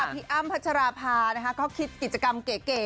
พี่อ้ำพัชราภาก็คิดกิจกรรมเก๋